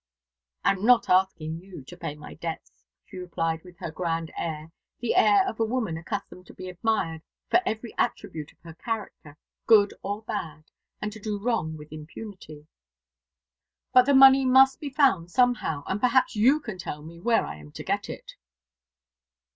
"I am not asking you to pay my debts," she replied with her grand air: the air of a woman accustomed to be admired for every attribute of her character, good or bad, and to do wrong with impunity. "But the money must be found somehow, and perhaps you can tell me where I am to get it."